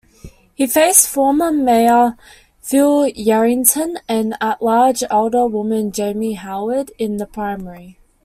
He faced former mayor Phil Yerington and at-large Alderwoman Jamie Howard in the primary.